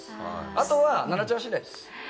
あとは、奈々ちゃん次第です。